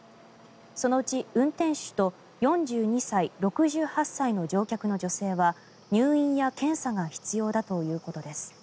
そのうち運転手と４２歳、６８歳の乗客の女性は入院や検査が必要だということです。